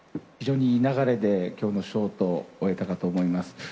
非常にいい流れできょうのショートを終えたかと思います。